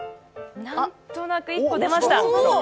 何となく１個出ました。